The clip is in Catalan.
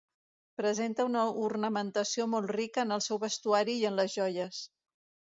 Presenta una ornamentació molt rica en el seu vestuari i en les joies.